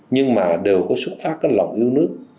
nhưng mà đều có xuất phát cái lòng yêu nước